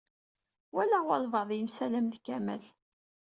Walaɣ walebɛaḍ yemsalam d Kamal.